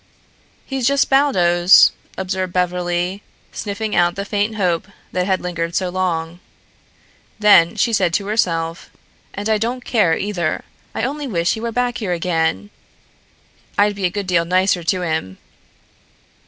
"He's just Baldos," observed Beverly, snuffing out the faint hope that had lingered so long. Then she said to herself: "And I don't care, either. I only wish he were back here again. I'd be a good deal nicer to him."